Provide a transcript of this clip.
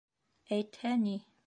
— Әйтһә ни.